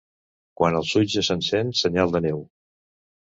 Quan el sutge s'encén, senyal de neu.